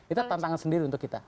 itu tantangan sendiri untuk kita